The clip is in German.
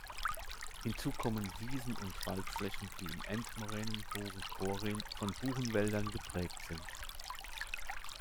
Hinzu kommen Wiesen- und Waldflächen, die im Endmoränenbogen Chorin von Buchenwäldern geprägt sind.